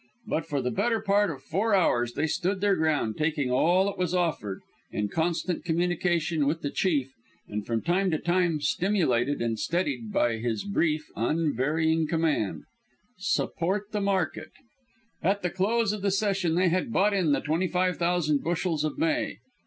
But for the better part of four hours they stood their ground, taking all that was offered, in constant communication with the Chief, and from time to time stimulated and steadied by his brief, unvarying command: "Support the market." At the close of the session they had bought in the twenty five thousand bushels of May.